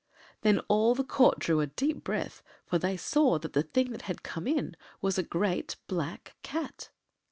Then all the Court drew a deep breath, for they saw that the thing that had come in was a great black Cat.